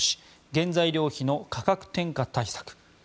原材料費の価格転嫁対策。